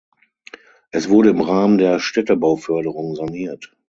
Es wurde im Rahmen der Städtebauförderung saniert.